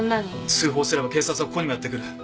通報すれば警察はここにもやって来る。